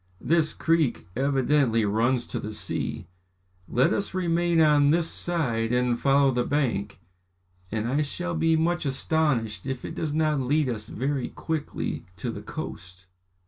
"This creek evidently runs to the sea. Let us remain on this side and follow the bank, and I shall be much astonished if it does not lead us very quickly to the coast.